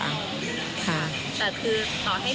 แต่คือต่อให้มีมาตรการอย่างไรมีโปรโมชั่นแค่ไหน